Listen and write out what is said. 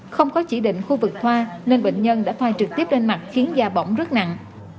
không có chỉ định khu vực khoa nên bệnh nhân đã phai trực tiếp lên mặt khiến da bỏng rất nặng